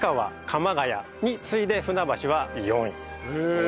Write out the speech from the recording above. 鎌ケ谷に次いで船橋は４位。